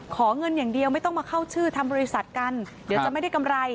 ขอเงินอย่างเดียวไม่ต้องมาเข้าชื่อทำบริษัทกันเดี๋ยวจะไม่ได้กำไร